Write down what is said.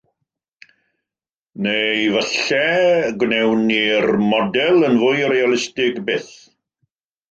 Neu efallai y gwnawn ni'r model yn fwy realistig byth.